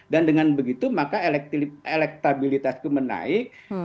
dan dengan begitu maka elektabilitasku menaik